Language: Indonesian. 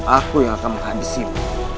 aku yang akan menghabisimu